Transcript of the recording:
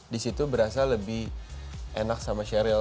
disitu berasa lebih enak sama cheryl